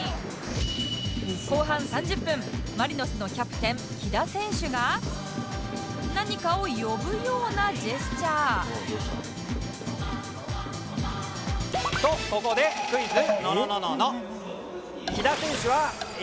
後半３０分マリノスのキャプテン喜田選手が何かを呼ぶようなジェスチャーとここでクイズ。